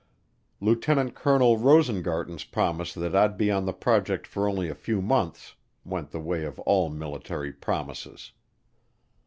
Lieutenant Colonel Rosengarten's promise that I'd be on the project for only a few months went the way of all military promises.